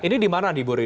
ini dimana diburu ini